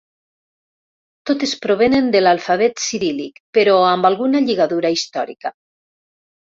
Totes provenen de l'alfabet ciríl·lic però amb alguna lligadura històrica.